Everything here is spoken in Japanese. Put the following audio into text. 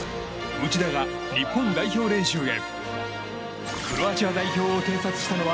内田が日本代表練習へ。